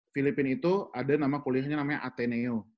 filipin itu ada nama kuliahnya namanya ateneo